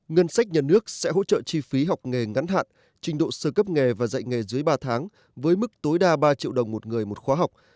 ngân sách nhà nước sẽ hỗ trợ chi phí học nghề ngắn hạn trình độ sơ cấp nghề và dạy nghề dưới ba tháng với mức tối đa ba triệu đồng một người một khóa học